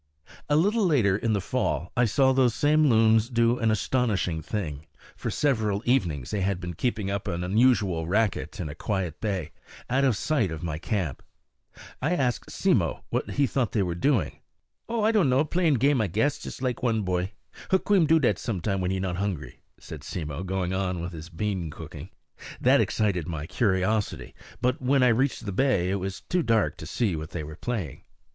A little later in the fall I saw those same loons do an astonishing thing. For several evenings they had been keeping up an unusual racket in a quiet bay, out of sight of my camp. I asked Simmo what he thought they were doing. "O, I don' know, playin' game, I guess, jus' like one boy. Hukweem do dat sometime, wen he not hungry," said Simmo, going on with his bean cooking. That excited my curiosity; but when I reached the bay it was too dark to see what they were playing.